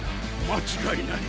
間違いない。